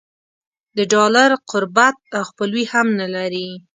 د ډالر قربت او خپلوي هم نه لري.